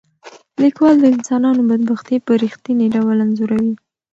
لیکوال د انسانانو بدبختي په رښتیني ډول انځوروي.